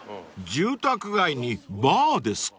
［住宅街にバーですか？］